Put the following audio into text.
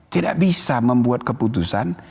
tidak bisa membuat keputusan